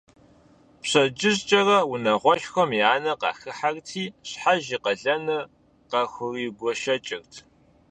Пщэдджыжькӏэрэ унагъуэшхуэм я анэр къахыхьэрти, щхьэж и къалэныр къахуригуэшэкӏырт.